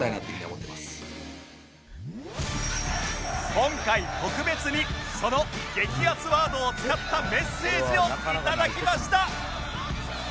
今回特別にその激アツワードを使ったメッセージを頂きました！